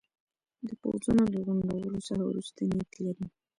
د پوځونو د غونډولو څخه وروسته نیت لري.